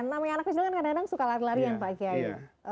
namanya anak kecil kan kadang kadang suka lari lari yang pagi aja